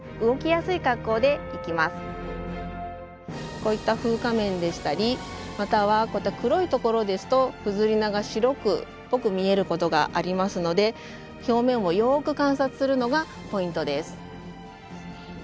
こういった風化面でしたりまたはこういった黒い所ですとフズリナが白っぽく見えることがありますので表面をよく観察するのがポイントです。